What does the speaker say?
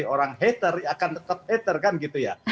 ada teori kan mengatakan sekali orang hater akan tetap hater kan gitu ya